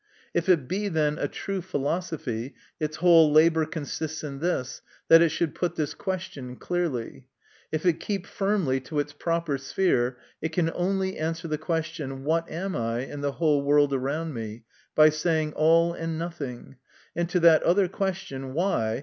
If it be, then, a true philosophy, its whole labour consists in this, that it should put this question clearly. If it keep firmly to its proper sphere, it can only answer the question, " What am I and the whole world around me ?" by saying, " All and nothing;" and to that other question, "Why?"